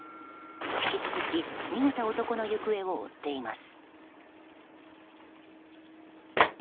引き続き逃げた男の行方を追っています。